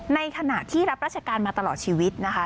ในขณะที่รับราชการมาตลอดชีวิตนะคะ